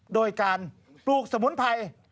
โดยการปลูกสมุนไพร